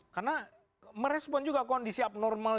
karena merespon juga kondisi abnormal